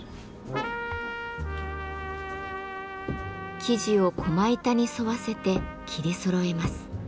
生地を駒板に沿わせて切りそろえます。